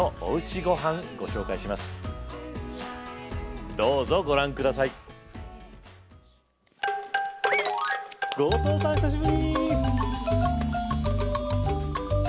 後藤さん久しぶり。